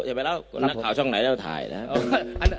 อย่าไปเล่านักข่าวช่องไหนแล้วถ่ายนะครับ